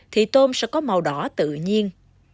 thì tôm sẽ có màu đỏ tự nhiên